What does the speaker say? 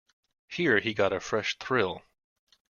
Here he got a fresh thrill.